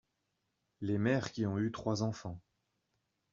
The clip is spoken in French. Les mères qui ont eu trois enfants.